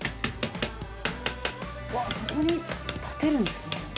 ◆そこに立てるんですね。